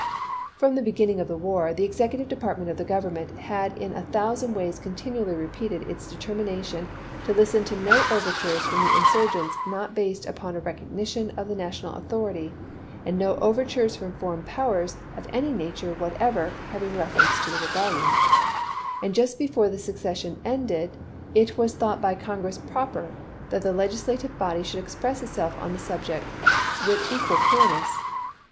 From the beginning of the war, the Executive Department of the Government had in a thousand ways continually repeated its determination to listen to no overtures from the insurgents not based upon a recognition of the national authority, and no overtures from foreign powers of any na ture whatever having reference to the rebellion; ^iseJ^' ^^^ J^^^ before the session ended it was thought by Congress proper that the Legislative body should express itself on the same subject with In the equal clearness.